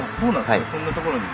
そんなところに。